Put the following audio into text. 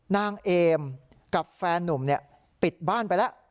นางเอมกับแฟนนุ่มปิดบ้านไปแล้ว